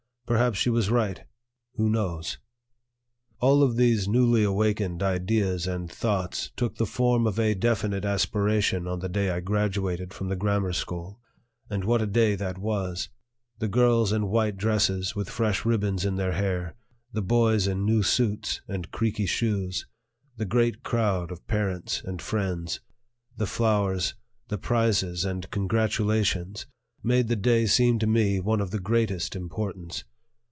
Perhaps she was right. Who knows? All of these newly awakened ideas and thoughts took the form of a definite aspiration on the day I graduated from the grammar school. And what a day that was! The girls in white dresses, with fresh ribbons in their hair; the boys in new suits and creaky shoes; the great crowd of parents and friends; the flowers, the prizes and congratulations, made the day seem to me one of the greatest importance.